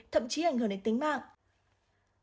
thậm chí ảnh hưởng đến tính mạng